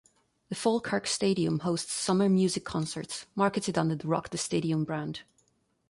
The Falkirk Stadium hosts summer music concerts, marketed under the "Rock The Stadium" brand.